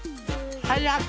はい。